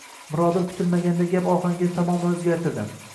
Mirodil kutilmaganda gap ohangini tamoman o`zgartirdi